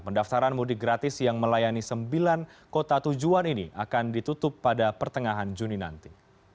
pendaftaran mudik gratis yang melayani sembilan kota tujuan ini akan ditutup pada pertengahan juni nanti